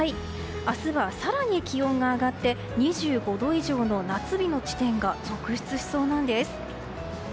明日は、更に気温が上がって２５度以上の夏日の地点が続出しそうなんです。